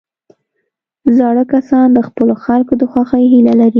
زاړه کسان د خپلو خلکو د خوښۍ هیله لري